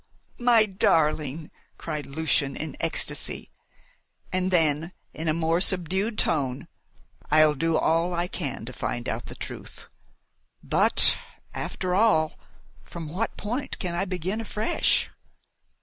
"My darling!" cried Lucian in ecstasy; and then in a more subdued tone: "I'll do all I can to find out the truth. But, after all, from what point can I begin afresh?"